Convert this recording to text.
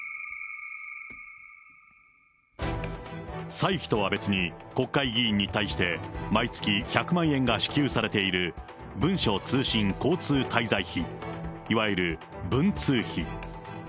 歳費とは別に国会議員に対して、毎月１００万円が支給されている、文書通信交通滞在費、いわゆる文通費。